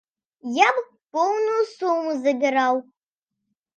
Я б поўную суму забіраў.